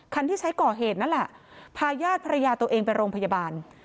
ที่ใช้ก่อเหตุนั่นแหละพาญาติภรรยาตัวเองไปโรงพยาบาล